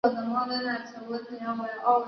这是一个约定俗成的现像。